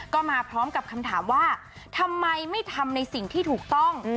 ก็มาพร้อมกับคำถามว่าทำไมไม่ทำในสิ่งที่ถูกต้อง